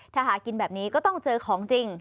ถ้าหากินแบบนี้ก็ต้องเจอของจริง